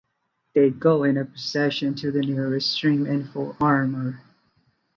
They go in a procession to the nearest stream in full armor.